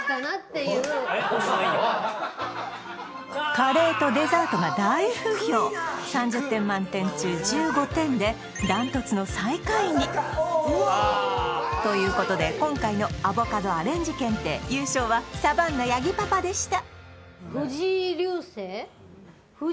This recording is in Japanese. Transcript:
カレーとデザートが大不評３０点満点中１５点で断トツの最下位に！ということで今回のアボカドアレンジ検定優勝はサバンナ八木パパでした